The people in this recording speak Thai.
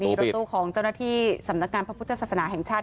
มีรถตู้ของเจ้าหน้าที่สำนักงานพระพุทธศาสนาแห่งชาติ